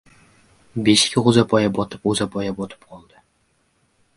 Beshik g‘o‘zapoya botib-g‘o‘zapoya botib qoldi.